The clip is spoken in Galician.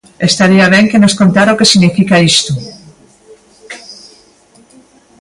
Estaría ben que nos contara o que significa isto.